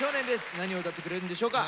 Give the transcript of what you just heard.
何を歌ってくれるんでしょうか。